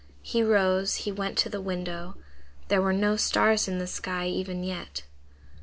He rose, he went to the window. There were no stars in the sky even yet.